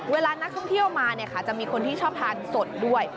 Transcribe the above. เวลานักท่องเที่ยวมาเนี่ยค่ะจะมีคนที่ชอบทานสดด้วย